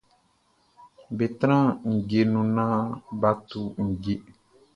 Be tran ndje nu nan ba tu ndje.